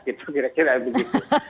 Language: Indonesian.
itu kira kira begitu